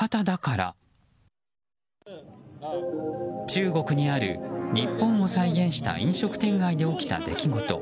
中国にある日本を再現した飲食店街で起きた出来事。